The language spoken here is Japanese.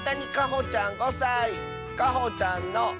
かほちゃんの。